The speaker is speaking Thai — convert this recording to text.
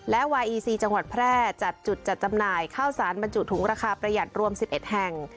และวาอีซีจังหวัดแพร่จัดจุดจัดจำหน่ายข้าวสารบรรจุถุงราคาประหยัดรวม๑๑แห่ง